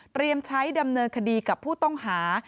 ใช้ดำเนินคดีกับผู้ต้องหา